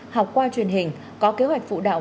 học qua truyền hình có kế hoạch phụ đạo